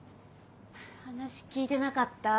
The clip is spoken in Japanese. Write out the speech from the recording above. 話聞いてなかった？